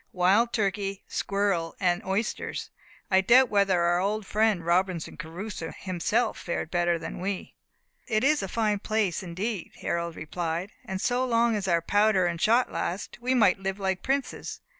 "Wild turkey, squirrel, and oysters! I doubt whether our old friend Robinson Crusoe himself fared better than we." "It is a fine place indeed," Harold replied; "and so long as our powder and shot last, we might live like princes.